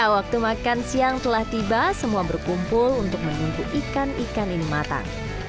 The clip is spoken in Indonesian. waktu makan siang telah tiba semua berkumpul untuk menunggu ikan ikan ini matang